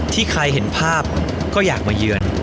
ใครเห็นภาพก็อยากมาเยือน